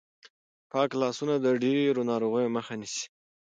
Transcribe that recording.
پاک لاسونه د ډېرو ناروغیو مخه نیسي.